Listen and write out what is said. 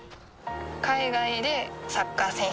海外でサッカー選手になる